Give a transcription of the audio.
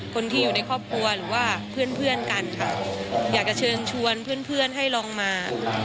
คนที่อยู่ในครอบครัวหรือว่าเพื่อนเพื่อนกันค่ะอยากจะเชิญชวนเพื่อนเพื่อนให้ลองมา